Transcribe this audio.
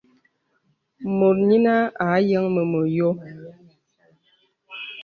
Mùt yīnə à yəŋ mə məyō.